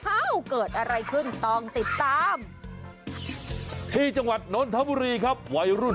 อ้าวเกิดอะไรขึ้นต้องติดตาม